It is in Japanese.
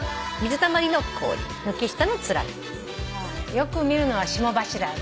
よく見るのは霜柱だな。